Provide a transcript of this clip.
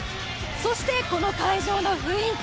そしてこの会場の雰囲気